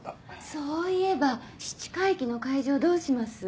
そういえば七回忌の会場どうします？